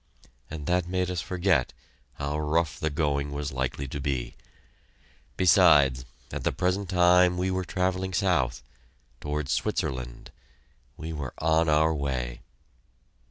And that made us forget how rough the going was likely to be. Besides, at the present time we were travelling south toward Switzerland. We were on our way.